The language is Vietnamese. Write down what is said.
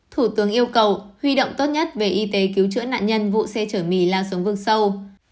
thủ tướng yêu cầu huy động tốt nhất về y tế cứu chữa nạn nhân vụ xe chở mì lao xuống vực sâu